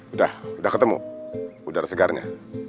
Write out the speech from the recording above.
udah udah ketemu udara segarnya